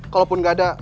kalaupun gak ada